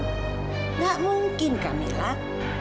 tidak mungkin kamilah